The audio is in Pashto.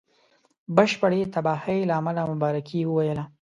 بشپړي تباهی له امله مبارکي وویله.